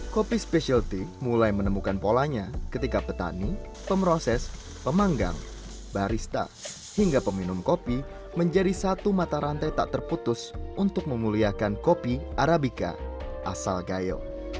kopi specialty mulai menemukan polanya ketika petani pemroses pemanggang barista hingga peminum kopi menjadi satu mata rantai tak terputus untuk memuliakan kopi arabica asal gayo